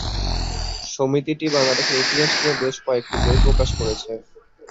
সমিতিটি বাংলাদেশের ইতিহাস নিয়ে বেশ কয়েকটি বই প্রকাশ করেছে।